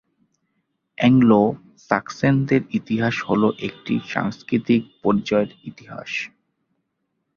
অ্যাংলো-স্যাক্সনদের ইতিহাস হল একটি সাংস্কৃতিক পরিচয়ের ইতিহাস।